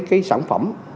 cái sản phẩm